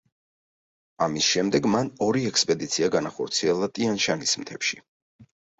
ამის შემდეგ მან ორი ექსპედიცია განახორციელა ტიან-შანის მთებში.